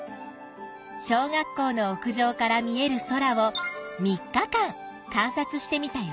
小学校の屋上から見える空を３日間観察してみたよ。